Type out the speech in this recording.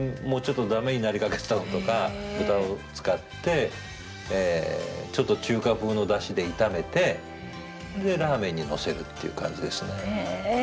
もうちょっと駄目になりかけてたのとか豚を使ってちょっと中華風のだしで炒めてでラーメンにのせるっていう感じですね。